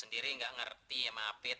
sendiri nggak ngerti ya mah fit